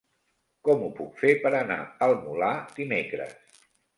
Com ho puc fer per anar al Molar dimecres?